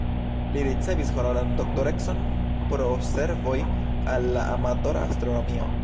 Li ricevis honoran doktorecon pro servoj al la amatora astronomio.